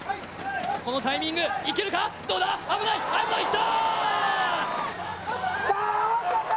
このタイミング、いけるか、どうだ、危ない、いった！